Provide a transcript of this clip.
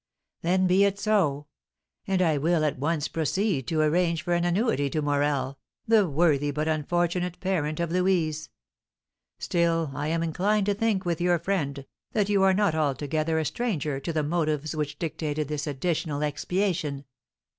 "Then be it so! And I will at once proceed to arrange for an annuity to Morel, the worthy but unfortunate parent of Louise. Still I am inclined to think, with your friend, that you are not altogether a stranger to the motives which dictated this additional expiation."